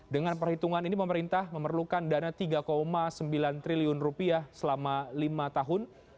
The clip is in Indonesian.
dengan perhitungan ini pemerintah memerlukan dana rp tiga sembilan triliun rupiah selama lima tahun